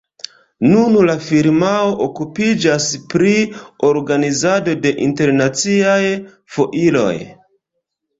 Nun la firmao okupiĝas pri organizado de internaciaj foiroj.